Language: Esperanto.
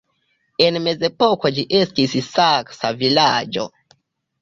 En mezepoko ĝi estis saksa vilaĝo.